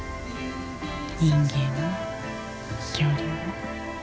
人間も恐竜も。